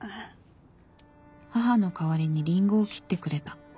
母の代わりにりんごを切ってくれた。